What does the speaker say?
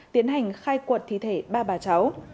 tiến hành khai cuột thí thể ba bà cháu